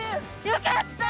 よかった！